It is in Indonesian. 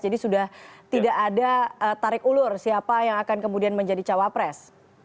jadi sudah tidak ada tarik ulur siapa yang akan kemudian menjadi cawapres